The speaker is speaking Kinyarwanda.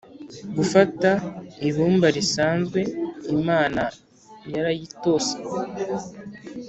gufata ibumba risanzwe, imana yarayitose